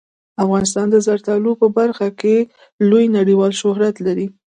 افغانستان د زردالو په برخه کې لوی نړیوال شهرت لري.